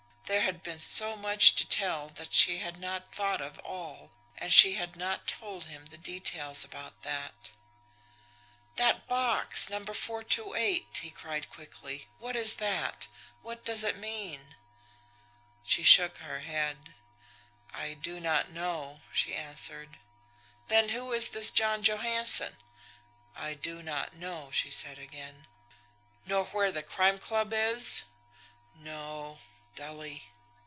There had been so much to tell that she had not thought of all, and she had not told him the details about that. "That box No. 428!" he cried quickly. "What is that? What does it mean?" She shook her head. "I do not know," she answered. "Then who is this John Johansson?" "I do not know," she said again. "Nor where the Crime Club is?" "No" dully.